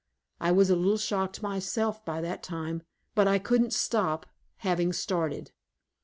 I was a little shocked myself by that time, but I couldn't stop, having started.